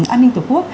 an ninh tổ quốc